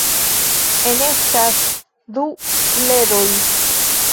Enestas du sledoj.